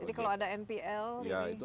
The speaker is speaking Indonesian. jadi kalau ada npl ini